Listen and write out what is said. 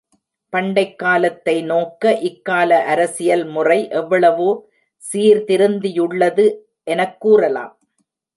பண்டைக் காலத்தை நோக்க, இக்கால அரசியல் முறை எவ்வளவோ சீர்திருந்தியுள்ளது எனக் கூறலாம்.